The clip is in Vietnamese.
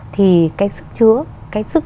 thì cái sức chứa cái sức